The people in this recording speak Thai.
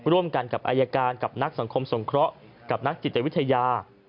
ร่วมกันกับอายการกับนักสังคมสงเคราะห์กับนักจิตวิทยา